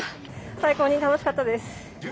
最高に楽しかったです。